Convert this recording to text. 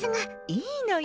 いいのよ。